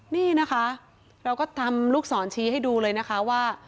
นี่นะคะเราก็ทำลูกศรชี้ให้ดูเลยนะคะว่า